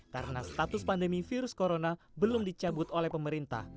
karena status pandemi virus corona belum dicabut oleh pemerintah